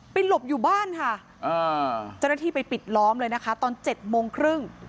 หลบอยู่บ้านค่ะเจ้าหน้าที่ไปปิดล้อมเลยนะคะตอน๗โมงครึ่ง